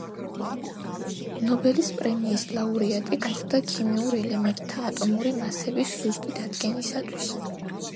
ნობელის პრემიის ლაურეატი გახდა ქიმიურ ელემენტთა ატომური მასების ზუსტი დადგენისათვის.